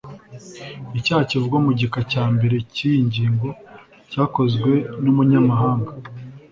icyaha kivugwa mu gika cya mbere cy’iyi ngingo cyakozwe n’umunyamahanga,